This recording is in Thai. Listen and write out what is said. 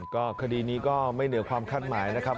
ก็คดีนี้ก็ไม่เหนือความคาดหมายนะครับ